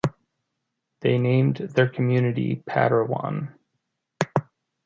They named their community Parowan.